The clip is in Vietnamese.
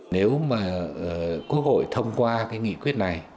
nếu mà quốc hội thông qua nghị quyết này